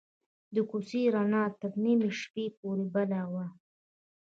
د کوڅې رڼا تر نیمې شپې پورې بل وه.